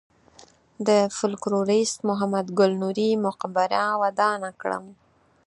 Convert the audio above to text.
د فولکلوریست محمد ګل نوري مقبره ودانه کړم.